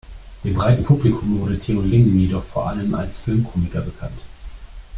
Dem breiten Publikum wurde Theo Lingen jedoch vor allem als Filmkomiker bekannt.